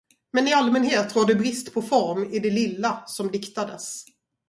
Men i allmänhet rådde brist på form i det lilla, som diktades.